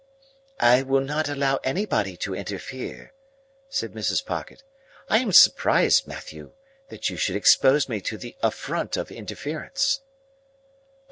"I will not allow anybody to interfere," said Mrs. Pocket. "I am surprised, Matthew, that you should expose me to the affront of interference."